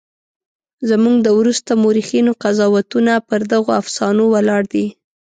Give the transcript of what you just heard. زموږ د وروسته مورخینو قضاوتونه پر دغو افسانو ولاړ دي.